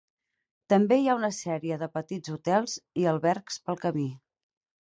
També hi ha una sèrie de petits hotels i albergs pel camí.